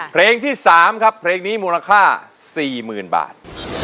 เพลงที่สามครับเพลงนี้ไฟล์ภาค๔๐๐๐๐บาท